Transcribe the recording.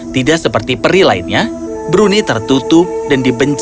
tidak seperti peri lainnya bruni tertutup dan dibenci